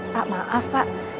pak maaf pak